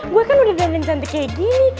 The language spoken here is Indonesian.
gue kan udah ganjang cantik kayak gini